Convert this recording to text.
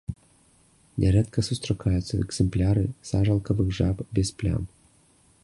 Нярэдка сустракаюцца экземпляры сажалкавых жаб без плям.